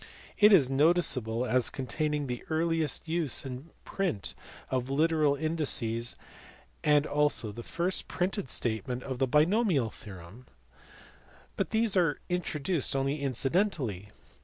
329) : it is noticeable as containing the earliest use in print of literal indices, and also the first printed statement of the binomial theorem, but these are introduced only incidentally.